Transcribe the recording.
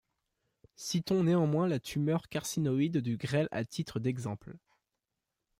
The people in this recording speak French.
Citons néanmoins la tumeur carcinoïde du grêle à titre d'exemple.